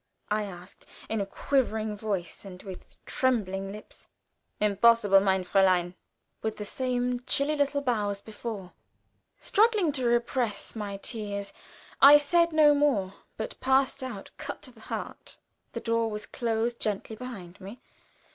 I asked, in a quivering voice and with trembling lips. "Impossible, mein Fräulein," with the same chilly little bow as before. Struggling to repress my tears, I said no more, but passed out, cut to the heart. The door was closed gently behind me.